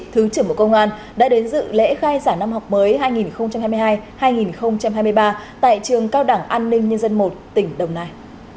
thứ trưởng bộ công an đã đến dự lễ khai giảng năm học mới hai nghìn hai mươi hai hai nghìn hai mươi ba tại trường cao đẳng an ninh nhân dân một tỉnh đồng nai